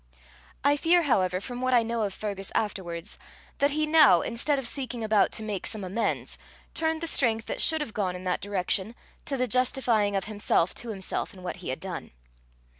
I fear, however, from what I know of Fergus afterwards, that he now, instead of seeking about to make some amends, turned the strength that should have gone in that direction, to the justifying of himself to himself in what he had done.